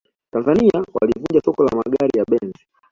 tanzania walivunja soko la magari ya benz